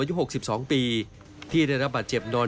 อายุ๖๒ปีที่ได้รับบาดเจ็บนอน